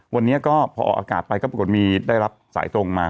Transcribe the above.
วันนี้ก็พอออกอากาศไปก็ปรากฏมีได้รับสายตรงมา